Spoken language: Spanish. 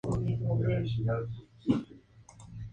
Se eligió el orden corintio.